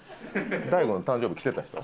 大悟の誕生日来てた人？